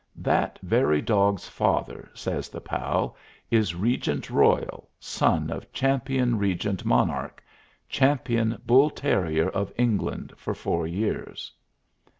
"] "That very dog's father," says the pal, "is Regent Royal, son of Champion Regent Monarch, champion bull terrier of England for four years."